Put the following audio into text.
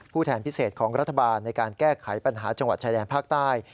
แทนพิเศษของรัฐบาลในการแก้ไขปัญหาจังหวัดชายแดนภาคใต้